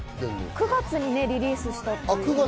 ９月にリリースしたという。